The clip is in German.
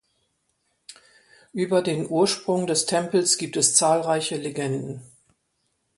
Über den Ursprung des Tempels gibt es zahlreiche Legenden.